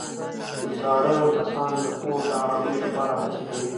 زاړه کسان د کور د ارامۍ لپاره هڅې کوي